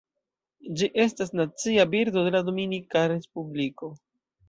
Ĝi estas Nacia birdo de la Dominika Respubliko.